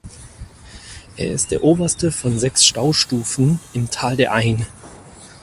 Er ist der oberste von sechs Staustufen im Tal der Ain.